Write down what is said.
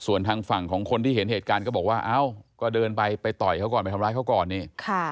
ส่วนทางฝั่งของคนที่เห็นเหตุการณ์ก็บอกว่าเอ้าก็เดินไปไปต่อยเขาก่อนไปทำร้ายเขาก่อนนี่